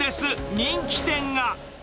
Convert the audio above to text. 人気店が。